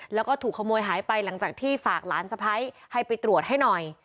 แล้วก็ถูกขโมยหายไปหลังจากที่ฝากหลานสะพ้ายให้ไปตรวจให้หน่อย